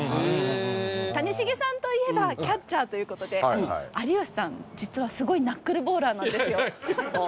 谷繁さんといえばキャッチャーということで有吉さん実はすごいナックルボーラーなんですよああ